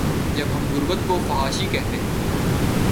جب ہم غربت کو فحاشی کہتے ہیں۔